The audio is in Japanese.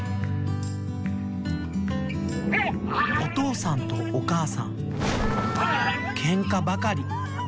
おとうさんとおかあさんケンカばかり。